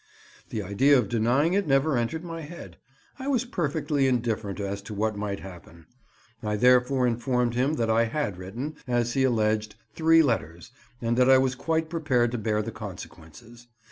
The idea of denying it never entered my head—I was perfectly indifferent as to what might happen; I thereupon informed him that I had written, as he alleged, three letters, and that I was quite prepared to bear the consequences.